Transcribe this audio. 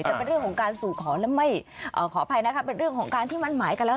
แต่เป็นเรื่องของการสู่ขอแล้วไม่ขออภัยนะคะเป็นเรื่องของการที่มั่นหมายกันแล้ว